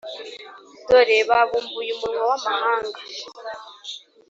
dore babumbuye umunwa w’amahanga